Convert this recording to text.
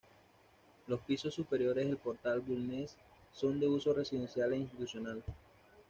Los pisos superiores del Portal Bulnes son de uso residencial e institucional.